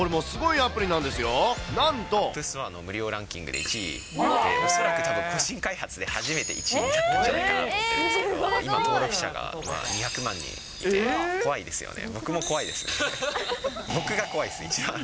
アップルストアの無料ランキングで１位、恐らく個人開発で初めて１位になったんじゃないかと思ってるんですけど、今、登録者が２００万人いて、怖いですよね、僕も怖いです。